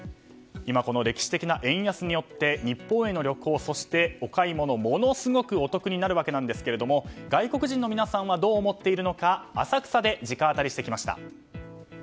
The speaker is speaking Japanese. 今、この歴史的な円安によって日本への旅行、お買い物がものすごくお得になるわけですが外国人の皆さんはどう思っているのか浅草で直アタリしてきました。